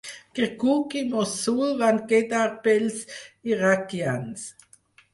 Kirkuk i Mossul van quedar pels iraquians.